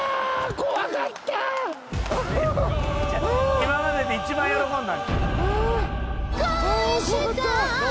今までで一番喜んだ。